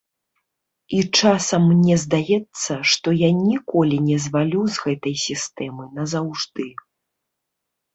І часам мне здаецца, што я ніколі не звалю з гэтай сістэмы назаўжды.